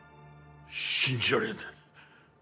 信じられんね。